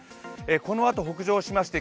このあと、北上しました